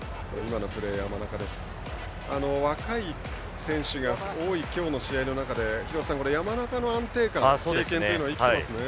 若い選手が多い今日の試合の中で廣瀬さん、山中の安定感、経験が生きていますね。